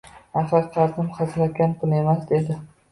Axir qarzim hazilakam pul emas edi